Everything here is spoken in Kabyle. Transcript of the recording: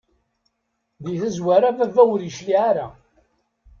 Di tazwara baba ur yecliɛ ara.